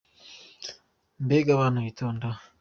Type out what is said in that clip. Mbega abana bitonda!